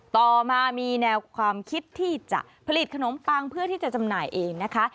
ต่อมามีแนวความคิดที่จะผลิตขนมปังเพื่อที่จะจำหน่ายเองนะคะ